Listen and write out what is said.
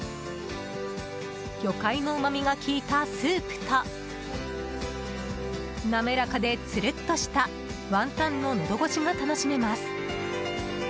魚介のうまみが効いたスープと滑らかでつるっとしたワンタンののど越しが楽しめます。